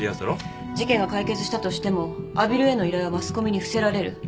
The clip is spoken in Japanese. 事件が解決したとしても阿比留への依頼はマスコミに伏せられる。